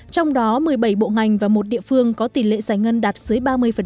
trong đó một mươi bảy bộ ngành và một địa phương có tỷ lệ giải ngân đạt dưới ba mươi